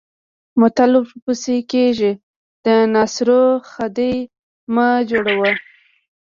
متل ورپسې کېږي د ناصرو خدۍ مه جوړوه.